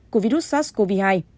của virus sars cov hai